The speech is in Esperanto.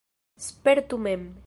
Spertu mem!